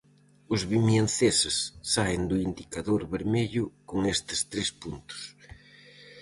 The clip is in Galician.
Os vimianceses saen do indicador vermello con estes tres puntos.